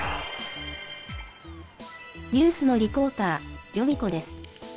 ニュースのリポーター、ヨミ子です。